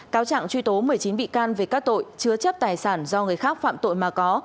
cáo trạng truy tố một mươi chín bị can về các tội chứa chấp tài sản do người khác phạm tội mà có